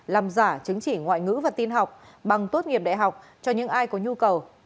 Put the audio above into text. làm giả chứng chỉ ngoại ngữ và tin học bằng tốt nghiệp đại học cho những ai có nhu cầu